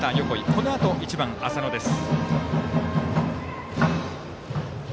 このあと１番、浅野です。